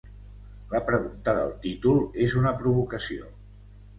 La pregunta del títol és una provocació.